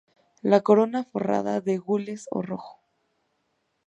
La corona forrada, de gules o rojo.